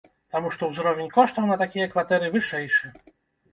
Таму што ўзровень коштаў на такія кватэры вышэйшы.